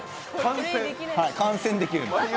観戦できる。